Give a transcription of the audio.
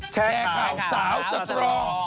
แชร์ข่าวสาวสตรอง